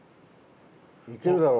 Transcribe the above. いけるだろ？